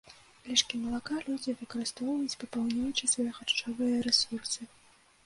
Лішкі малака людзі выкарыстоўваюць, папаўняючы свае харчовыя рэсурсы.